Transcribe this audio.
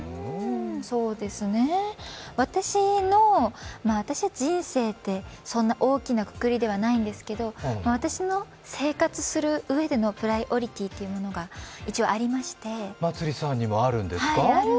そうですね、私の、私、人生って大きなくくりではないですけど私の生活する上でのプライオリティーというものが一応ありまして、まつりさんにもあるんですか？